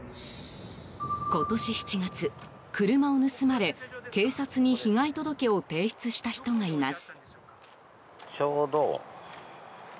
今年７月、車を盗まれ警察に被害届を提出した人がいます。